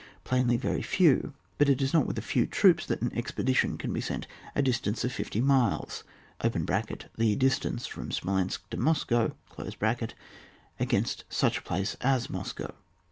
Plainly, very few ; but it is not with a few troops that an expedition can be sent a distance of fifty miles (the distance from Smo lensk to Moscow) against such a place as Moscow.